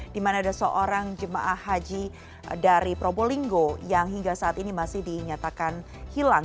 di mana ada seorang jemaah haji dari probolinggo yang hingga saat ini masih dinyatakan hilang